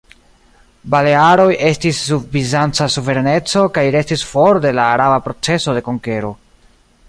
Balearoj estis sub bizanca suvereneco, kaj restis for de la araba procezo de konkero.